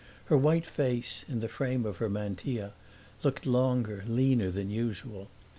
Her white face, in the frame of her mantilla, looked longer, leaner than usual.